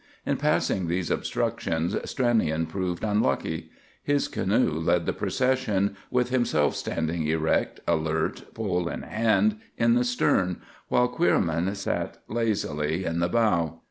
In passing these obstructions Stranion proved unlucky. His canoe led the procession, with himself standing erect, alert, pole in hand, in the stern, while Queerman sat lazily in the bow.